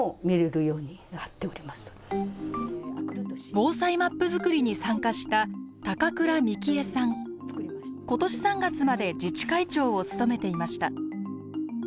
防災マップ作りに参加した今年３月まで自治会長を務めていました。